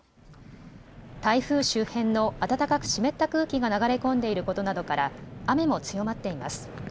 台風周辺の暖かく湿った空気が流れ込んでいることなどから雨も強まっています。